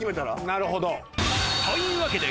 なるほどというわけで